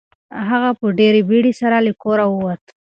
هغه په ډېرې بیړې سره له کوره ووت.